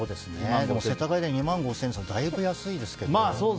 世田谷では２万５０００円っていったらだいぶ安いですけど。